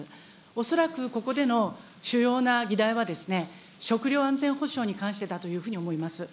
恐らくここでの主要な議題は、食料安全保障に関してだというふうに思います。